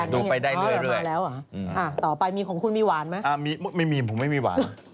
ดูไปได้เรื่อยต่อไปมีของคุณมีหวานไหมไม่มีผมไม่มีหวาน